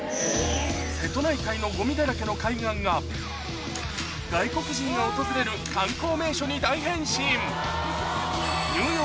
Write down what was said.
瀬戸内海のゴミだらけの海岸が外国人が訪れる観光名所に大変身